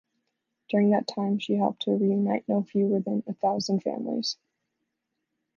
During that time she helped to reunite no fewer than a thousand families.